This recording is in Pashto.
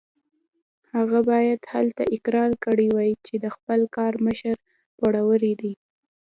هغه باید هلته اقرار کړی وای چې د خپل کار مشر پوروړی دی.